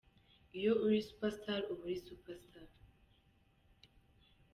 Iyo uri Super Star uba uri super Star….